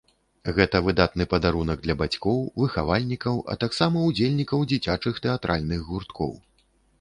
Гэта выдатны падарунак для бацькоў, выхавальнікаў, а таксама ўдзельнікаў дзіцячых тэатральных гурткоў.